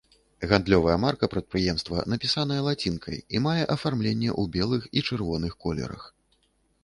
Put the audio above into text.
Гандлёвая марка прадпрыемства напісаная лацінкай і мае афармленне ў белых і чырвоных колерах.